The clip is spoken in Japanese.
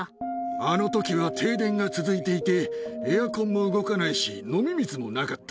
あのときは停電が続いていて、エアコンも動かないし、飲み水もなかった。